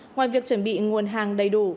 ngoài việc chuẩn bị nguồn hàng đầy đủ